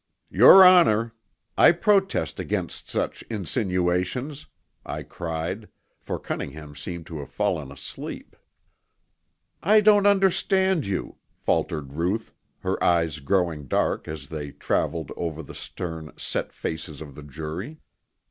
"Your honor, I protest against such insinuations," I cried, for Cunningham seemed to have fallen asleep. "I don't understand you," faltered Ruth, her eyes growing dark as they traveled over the stern, set faces of the jury.